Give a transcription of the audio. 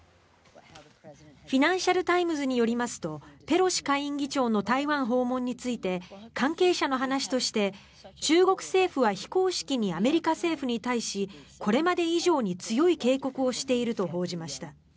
フィナンシャル・タイムズによりますとペロシ下院議長の台湾訪問について関係者の話として中国政府は非公式にアメリカ政府に対しこれまで以上に強い警告をしていると報じました。